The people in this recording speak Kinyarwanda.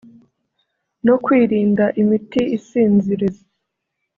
no kwirinda imiti isinziriza